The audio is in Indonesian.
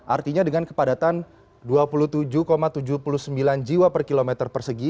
artinya dengan kepadatan dua puluh tujuh tujuh puluh sembilan jiwa per kilometer persegi